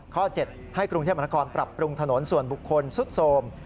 ๗ให้กรุงเทพมนาคมปรับปรุงถนนส่วนบุคคลสุดโสม